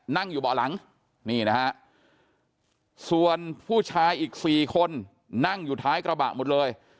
นั่งอยู่เบาะหลังนี่นะฮะส่วนผู้ชายอีก๔คนนั่งอยู่ท้ายกระบะหมดเลย